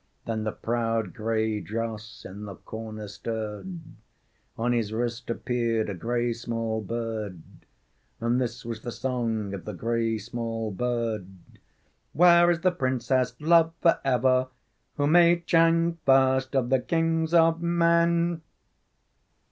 Then the proud gray joss in the corner stirred; On his wrist appeared a gray small bird, And this was the song of the gray small bird: "Where is the princess, loved forever, Who made Chang first of the kings of men?"